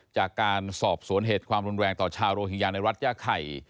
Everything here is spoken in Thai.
จากการสอบสวนเหตุความรุนแรงต่อชาวโรฮิงญาในรัฐย่าไข่